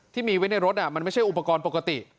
ที่มีไว้ในรถมันไม่ใช่อุปกรณ์ปกติ